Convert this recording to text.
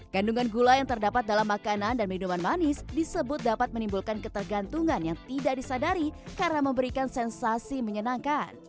kandungan gula yang terdapat dalam makanan dan minuman manis disebut dapat menimbulkan ketergantungan yang tidak disadari karena memberikan sensasi menyenangkan